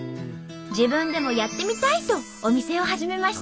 自分でもやってみたいとお店を始めました。